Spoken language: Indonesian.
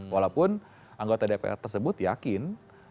walaupun anggota dpr tersebut yakin